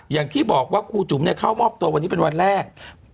อย่างที่บอกว่าครูจุ๋มเข้ามอบตัววันนี้เป็นวันแรก